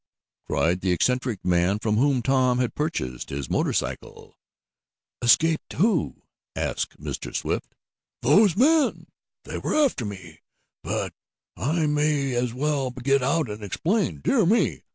cried the eccentric man from whom Tom had purchased his motor cycle. "Escaped who?" asked Mr. Swift. "Those men. They were after me. But I may as well get out and explain. Dear me!